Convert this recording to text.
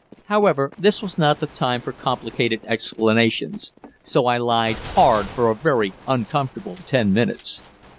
However, this was not the time for complicated explanations, so I lied hard for a very uncomfortable ten minutes.